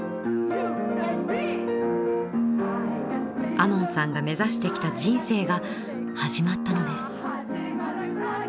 亞門さんが目指してきた人生が始まったのです。